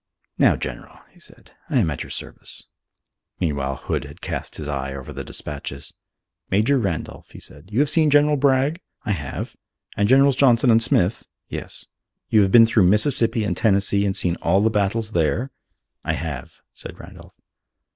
"Now, General," he said, "I am at your service." Meanwhile Hood had cast his eye over the despatches. "Major Randolph," he said, "you have seen General Bragg?" "I have." "And Generals Johnston and Smith?" "Yes." "You have been through Mississippi and Tennessee and seen all the battles there?" "I have," said Randolph.